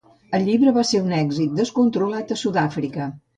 El llibre va ser un èxit descontrolat a Sud-àfrica.